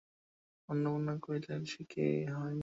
অন্নপূর্ণা কহিলেন, সে কি হয় মহিন।